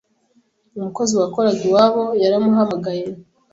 Umukozi wakoraga iwabo yaramuhamagaye